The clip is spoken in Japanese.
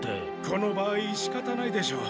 この場合しかたないでしょう。